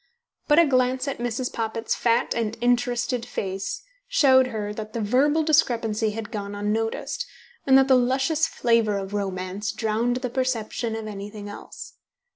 But a glance at Mrs. Poppit's fat and interested face showed her that the verbal discrepancy had gone unnoticed, and that the luscious flavour of romance drowned the perception of anything else.